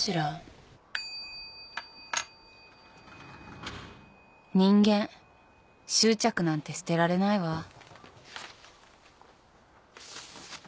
・人間執着なんて捨てられないわ。